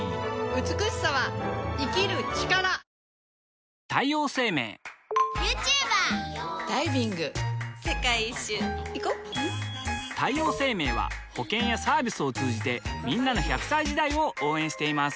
女性 ２） 世界一周いこ太陽生命は保険やサービスを通じてんなの１００歳時代を応援しています